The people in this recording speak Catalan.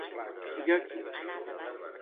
Qui hi ha aquí?